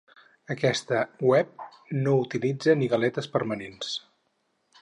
Aquesta web no utilitza ni galetes permanents.